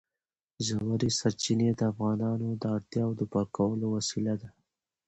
ژورې سرچینې د افغانانو د اړتیاوو د پوره کولو وسیله ده.